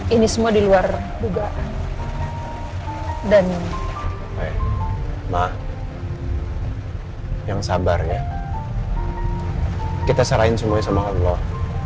ini semua diluar dugaan dan mama yang sabar ya kita saranin semuanya sama allah